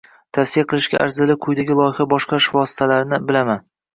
Tavsiya qilishga arzirli quyidagi loyiha boshqarish vositalarini bilaman